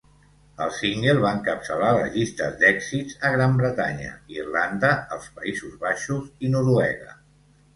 El single va encapçalar les llistes d'èxits a Gran Bretanya, Irlanda, els Països Baixos i Noruega.